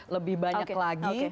lebih banyak lagi